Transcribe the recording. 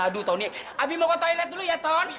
aduh tony abi mau ke toilet dulu ya tony